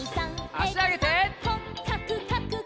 あしあげて。